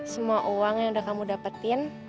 semua uang yang udah kamu dapetin